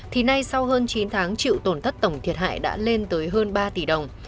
thì nay sau hơn chín tháng chịu tổn thất tổng thiệt hại đã lên tới hơn ba tỷ đồng